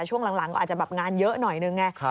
แต่ช่วงหลังก็อาจจะงานเยอะหน่อยหนึ่งไง